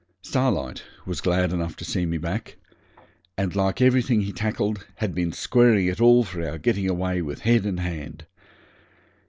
Starlight was glad enough to see me back, and like everything he tackled, had been squaring it all for our getting away with head and hand.